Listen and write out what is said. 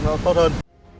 một cuộc sống tốt hơn